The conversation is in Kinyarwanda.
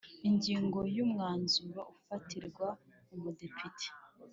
Ingingo ya umwanzuro ufatirwa umudepite